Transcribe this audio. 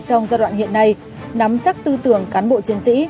trong giai đoạn hiện nay nắm chắc tư tưởng cán bộ chiến sĩ